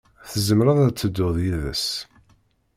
Tzemreḍ ad tedduḍ yid-s.